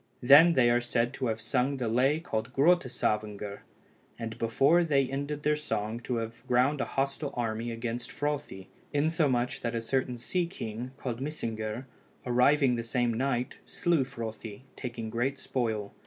Then they are said to have sung the lay called Grotta Savngr, and before they ended their song to have ground a hostile army against Frothi, insomuch, that a certain sea king, called Mysingr, arriving the same night, slew Frothi, taking great spoil.